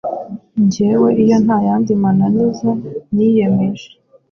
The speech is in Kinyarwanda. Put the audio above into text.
Jyewe, iyo nta yandi mananiza, niyemeje